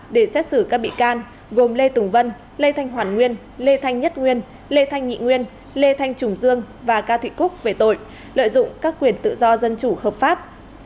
để xét xử các bị can gồm lê tùng vân lê thanh hoàn nguyên lê thanh nhất nguyên lê thanh nghị nguyên lê thanh trùng dương và cao thị cúc về tội lợi dụng các quyền tự do dân chủ hợp pháp